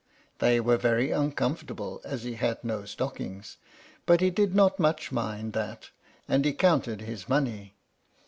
They were very uncomfortable, as he had no stockings; but he did not much mind that, and he counted his money.